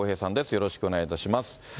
よろしくお願いします。